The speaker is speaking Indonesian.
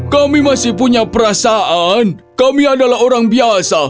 kami masih punya perasaan kami adalah orang biasa